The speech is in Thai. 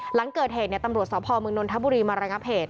หลังเกิดเหตุตำรวจสพมนนทบุรีมาระงับเหตุ